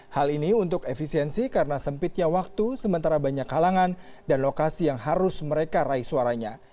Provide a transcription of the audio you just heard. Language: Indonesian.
hal ini untuk efisiensi karena sempitnya waktu sementara banyak kalangan dan lokasi yang harus mereka raih suaranya